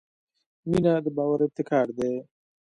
• مینه د باور ابتکار دی.